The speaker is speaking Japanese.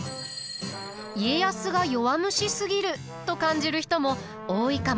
家康が弱虫すぎると感じる人も多いかもしれません。